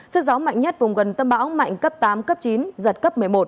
sức gió mạnh nhất vùng gần tâm bão mạnh cấp tám cấp chín giật cấp một mươi một